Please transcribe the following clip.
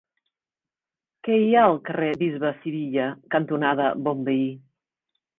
Què hi ha al carrer Bisbe Sivilla cantonada Bonveí?